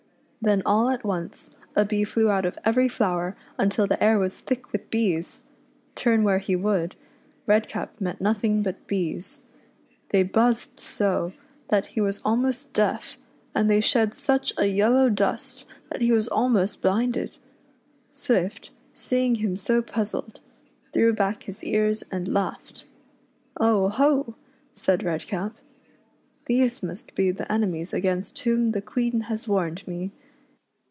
Then all at once a bee flew out of every flower until the air was thick with bees. Turn where he would, Redcap met nothing but bees. They buzzed so, that he was almost deaf, and they shed such a yellow dust REDCAP'S ADVE.XJUKES IN FAIRYLAXD. 99 that ho was ahnost blinded. Swift, scciii;^^ him so puzzled, threw back his ears and laughed. •' Oh ! ho 1 " said Redcap ;" these must be the enemies against whom the Queen has warned me."